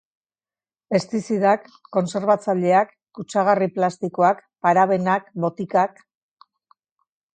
Pestizidak, kontserbatzaileak, kutsagarri plastikoak, parabenak, botikak...